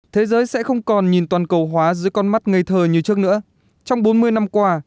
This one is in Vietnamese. thế giới sẽ không còn nhìn toàn cầu hóa dưới con mắt ngây thờ như trước nữa trong bốn mươi năm qua